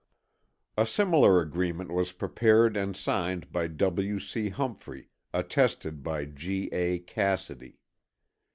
A similar agreement was prepared and signed by W. C. Humphrey, attested by G. A. Cassidy.